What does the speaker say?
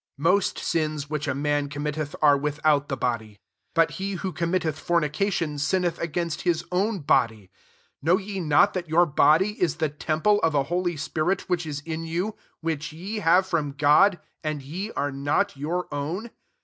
Most sins which a man commit teth, are without the body; •24 278 1 CORINTHIANS VII. but he who commitleth forni cation, sinneth against his own body. 19 K^now ye not that your body is the temple of a holy spirit nvhich is in you, which ye have from God, and ye are not your own